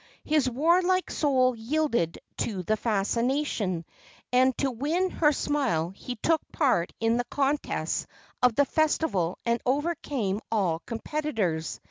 His warlike soul yielded to the fascination, and to win her smile he took part in the contests of the festival and overcame all competitors.